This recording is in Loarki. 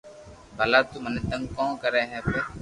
ڀلا تو مني تنگ ڪو ڪري ھيي